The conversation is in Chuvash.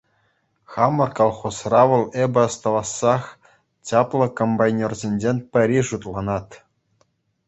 Хамӑр колхозра вӑл эпӗ астӑвассах чаплӑ комбайнерсенчен пӗри шутланать.